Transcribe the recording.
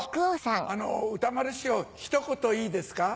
あの歌丸師匠一言いいですか？